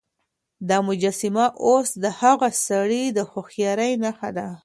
دا مجسمه اوس د هغه سړي د هوښيارۍ نښه ده.